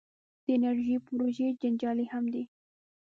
د انرژۍ پروژې جنجالي هم دي.